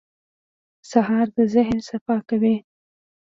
سهار د ذهن صفا کوي.